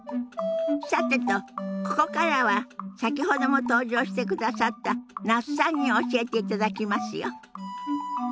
さてとここからは先ほども登場してくださった那須さんに教えていただきますよ。